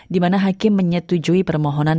di mana hakim menyetujui permohonan